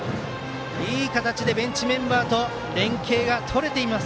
いい形でベンチメンバーと連係が取れています。